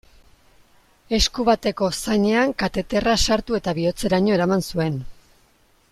Esku bateko zainean kateterra sartu eta bihotzeraino eraman zuen.